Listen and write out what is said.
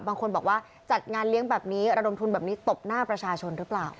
บางคนบอกว่าจัดงานเลี้ยงแบบนี้ระดมทุนแบบนี้ตบหน้าประชาชนหรือเปล่า